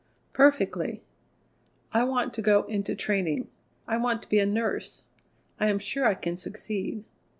"Perfectly." "I want to go into training. I want to be a nurse. I am sure I can succeed."